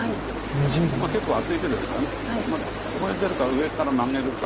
結構厚い手ですからそこに出るか上からマゲるか。